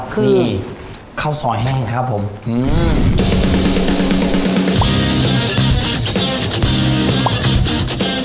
คือข้าวซอยแห้งครับผมอืม